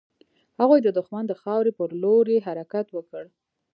هغوی د دښمن د خاورې پر لور يې حرکت وکړ.